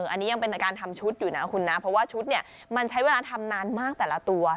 อันนี้ยังเป็นการทำชุดอยู่นะคุณนะเพราะว่าชุดเนี่ยมันใช้เวลาทำนานมากแต่ละตัว